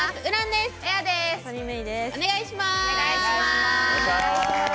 お願いします！